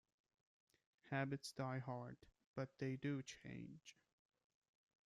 Habits die hard, but they do change.